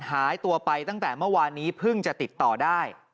หายตัวไปตั้งแต่เมื่อวานนี้เพิ่งจะติดต่อได้